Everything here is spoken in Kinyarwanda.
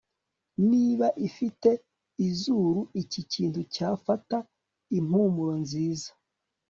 niba ifite izuru iki kintu cyafata impumuro nziza?